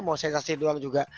mau sensasi doang juga